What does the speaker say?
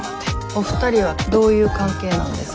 お二人はどういう関係なんですか？